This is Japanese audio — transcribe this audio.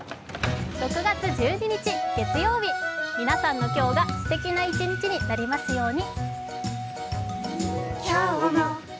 ６月１２日月曜日、皆さんの今日がすてきな一日になりますように。